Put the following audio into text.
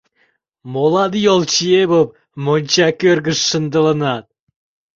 Молан йолчиемым монча кӧргыш шындылынат?